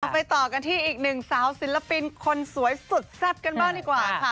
ไปต่อกันที่อีกหนึ่งสาวศิลปินคนสวยสุดแซ่บกันบ้างดีกว่าค่ะ